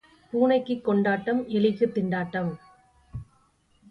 பூனைக்குக் கொண்டாட்டம், எலிக்குத் திண்டாட்டம்.